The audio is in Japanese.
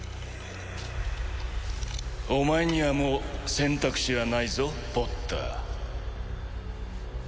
お前にはもう選択肢はないぞポッター